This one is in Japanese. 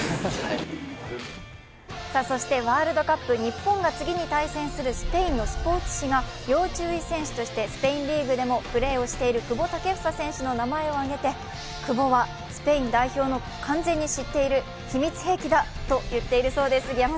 そしてワールドカップ、日本が次に対戦するスペインのスポーツ紙が要注意人物としてスペインリーグでもプレーをしている久保建英選手の名前を挙げて久保はスペイン代表を完全に知っている、秘密兵器だと言っているそうです。